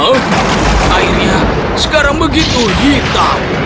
akhirnya sekarang begitu hitam